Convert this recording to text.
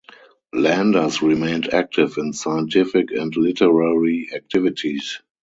Landers remained active in scientific and literary activities.